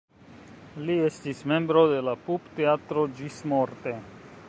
Li estis membro de la Pupteatro ĝismorte.